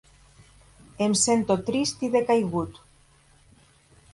Em sento trist i decaigut.